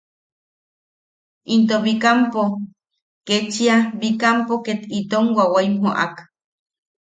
Into Bikampo, kechia Bikampo ket itom wawaim joʼak.